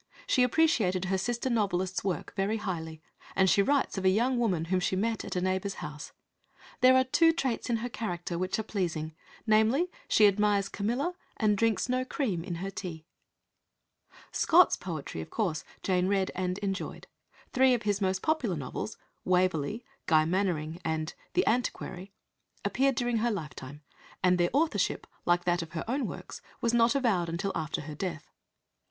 She appreciated her sister novelist's work very highly, and she writes of a young woman whom she met at a neighbour's house: "There are two traits in her character which are pleasing namely, she admires Camilla, and drinks no cream in her tea." Scott's poetry, of course, Jane read and enjoyed. Three of his most popular novels Waverley, Guy Mannering, and The Antiquary appeared during her lifetime, and their authorship, like that of her own works, was not avowed until after her death.